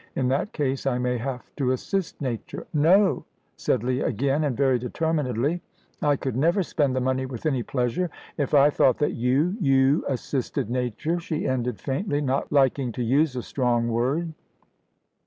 "In that case, I may have to assist nature." "No," said Leah, again, and very determinedly. "I could never spend the money with any pleasure if I thought that you you assisted nature," she ended faintly, not liking to use a strong word.